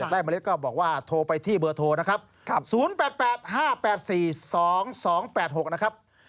ได้เมล็ดก็บอกว่าโทรไปที่เบอร์โทรนะครับ๐๘๘๕๘๔๒๒๘๖นะครับ